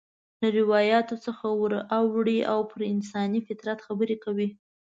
له روایتونو څخه ور اوړي او پر انساني فطرت خبرې کوي.